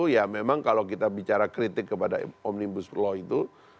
ya memang kalau kita bicara kritik kepada omnibus law itu